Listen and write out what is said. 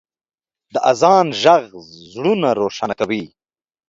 د اذان ږغ زړونه روښانه کوي.